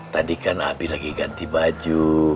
tadi kan abi lagi ganti baju